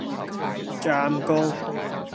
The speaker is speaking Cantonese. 湛江